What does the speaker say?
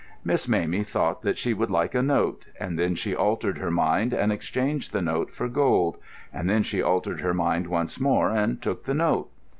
Miss Mamie thought that she would like a note; and then she altered her mind and exchanged the note for gold; and then she altered her mind once more and took the note.